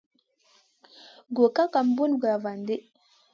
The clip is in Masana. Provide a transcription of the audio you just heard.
Gro ka ki bùn glavandi.